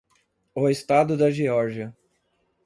O estado da Geórgia.